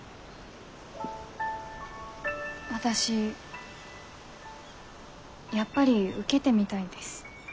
私やっぱり受けてみたいです。